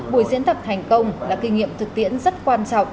buổi diễn tập thành công là kinh nghiệm thực tiễn rất quan trọng